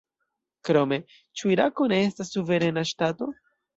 Krome: ĉu Irako ne estas suverena ŝtato?